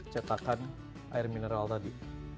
cetakan air mineral tadi